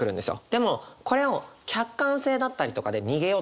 でもこれを客観性だったりとかで逃げようとする。